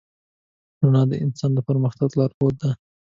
رڼا د انسان د پرمختګ لارښود ده.